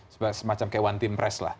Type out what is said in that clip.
sebagai semacam kayak one team press lah